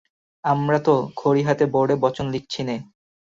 আমরা তো খড়ি হাতে বোর্ডে বচন লিখছি নে।